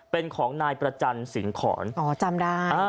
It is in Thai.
เป็นของนายประจันสิงหอนอ๋อจำได้